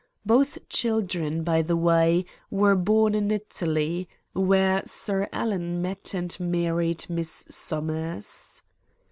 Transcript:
Both children, by the way, were born in Italy, where Sir Alan met and married Miss Somers.